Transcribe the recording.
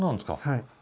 はい。